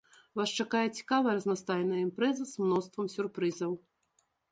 Вас чакае цікавая разнастайная імпрэза з мноствам сюрпрызаў.